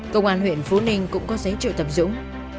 công an huyện phố ninh cũng có giấy trợ tập dũng